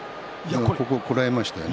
よくこらえましたよね。